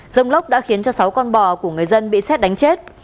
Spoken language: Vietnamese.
rông lốc đã khiến cho sáu con bò của người dân bị xét đánh chết